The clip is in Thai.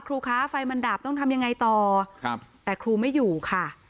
ครูคะไฟมันดับต้องทำยังไงต่อครับแต่ครูไม่อยู่ค่ะ